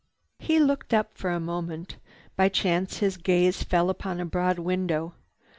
He looked up for a moment. By chance his gaze fell upon a broad window.